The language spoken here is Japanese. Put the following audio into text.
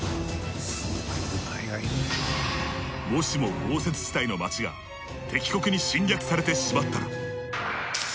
もしも豪雪地帯の街が敵国に侵略されてしまったら。